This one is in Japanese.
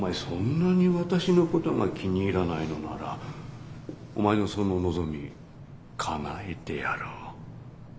そんなに私のことが気に入らないのならお前のその望みかなえてやろう。